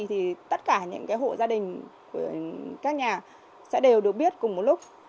thì tất cả những hộ gia đình các nhà sẽ đều được biết cùng một lúc